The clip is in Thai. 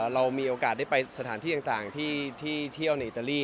เรามีโอกาสได้ไปสถานที่ต่างที่เที่ยวในอิตาลี